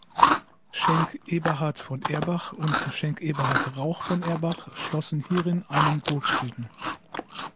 Schenk Eberhard von Erbach und Schenk Eberhard Rauch von Erbach schlossen hierin einen Burgfrieden.